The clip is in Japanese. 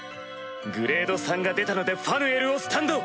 グレード３が出たのでファヌエルをスタンド！